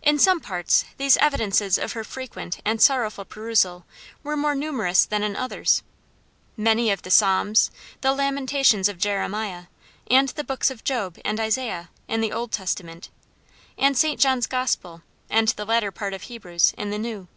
In some parts these evidences of her frequent and sorrowful perusal were more numerous than in others. Many of the Psalms, the Lamentations of Jeremiah, and the books of Job and Isaiah, in the Old Testament, and St. John's gospel, and the latter part of Hebrews, in the New.